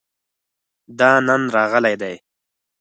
دا نن راغلی دی